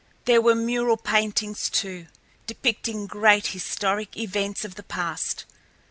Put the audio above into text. There were mural paintings, too, depicting great historic events of the past.